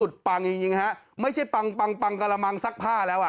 ปังจริงฮะไม่ใช่ปังปังปังกระมังซักผ้าแล้วอ่ะ